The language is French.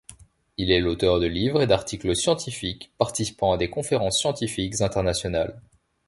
Il est l'auteur de livres et d'articles scientifiques, participant à des conférences scientifiques internationales.